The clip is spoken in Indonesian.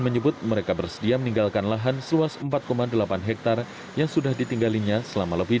menyebut mereka bersedia meninggalkan lahan seluas empat delapan hektare yang sudah ditinggalinya selama lebih